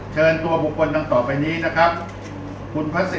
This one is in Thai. เชิญตัวบุคคลดังต่อไปนี้นะครับคุณพระศิษ